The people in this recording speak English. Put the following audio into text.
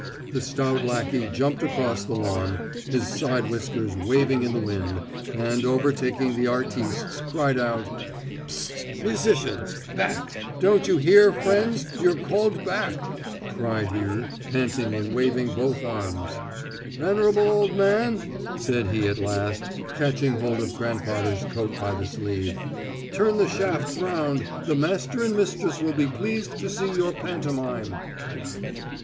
The stout lackey jumped across the lawn, his side whiskers waving in the wind, and, overtaking the artistes, cried out: "Pst! Musicians! Back! Don't you hear, friends, you're called back?" cried he, panting and waving both arms. "Venerable old man!" said he at last, catching hold of grandfather's coat by the sleeve. "Turn the shafts round. The master and mistress will be pleased to see your pantomime."